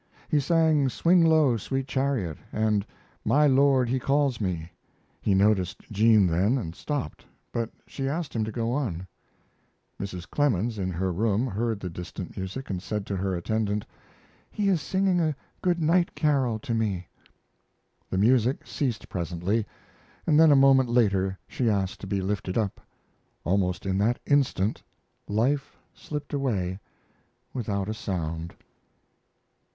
He sang "Swing Low, Sweet Chariot," and "My Lord He Calls Me." He noticed Jean then and stopped, but she asked him to go on. Mrs. Clemens, in her room, heard the distant music, and said to her attendant: "He is singing a good night carol to me." The music ceased presently, and then a moment later she asked to be lifted up. Almost in that instant life slipped away without a sound.